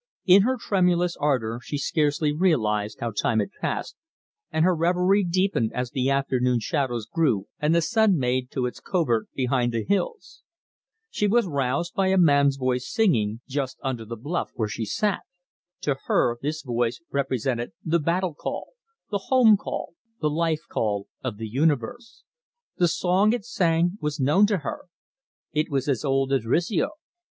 In her tremulous ardour she scarcely realised how time passed, and her reverie deepened as the afternoon shadows grew and the sun made to its covert behind the hills. She was roused by a man's voice singing, just under the bluff where she sat. To her this voice represented the battle call, the home call, the life call of the universe. The song it sang was known to her. It was as old as Rizzio.